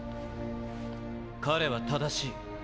彼は正しい。